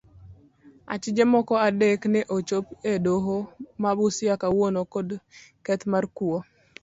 Achije moko adek ne ochopii edoho ma busia kawuono kod keth mar kuo.